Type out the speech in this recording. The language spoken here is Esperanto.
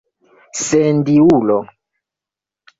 sendiulo